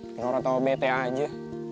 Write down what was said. biar orang tau bete aja